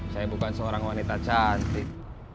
saya bukan seorang wanita cantik